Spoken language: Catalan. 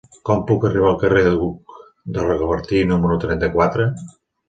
Com puc arribar al carrer d'Hug de Rocabertí número trenta-quatre?